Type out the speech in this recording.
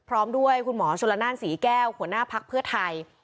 พร้อมด้วยคุณหมอชนละนานศรีแก้วหัวหน้าภักดิ์เพื่อไทย